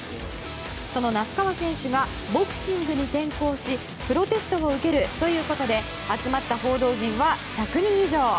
その那須川選手がボクシングに転向しプロテストを受けるということで集まった報道陣は１００人以上。